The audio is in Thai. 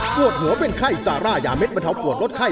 ปวดหัวเป็นไข้ซาร่ายาเด็ดบรรเทาปวดลดไข้